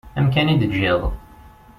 Amkan i d-teǧǧiḍ.